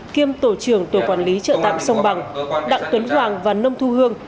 kiêm tổ trưởng tổ quản lý chợ tạm sông bằng đặng tuấn hoàng và nông thu hương